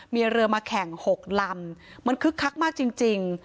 มีเรือมาแข่ง๖ลำมันคึกคักมากจริง